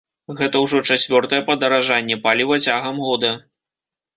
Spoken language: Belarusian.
Гэта ўжо чацвёртае падаражанне паліва цягам года.